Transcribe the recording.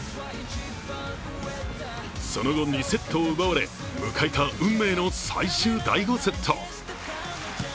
その後、２セットを奪われ迎えた運命の最終第５セット。